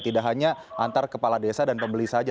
tidak hanya antar kepala desa dan pembeli saja